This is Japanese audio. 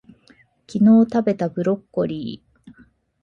昨日たべたブロッコリー